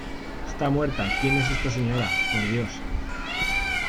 Esta muerta, quien es esta señora, por dios.